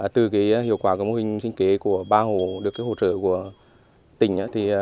từ hiệu quả của mô hình xin kể của ba hồ được hỗ trợ của tỉnh